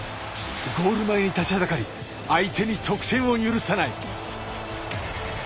ゴール前に立ちはだかり相手に得点を許さない。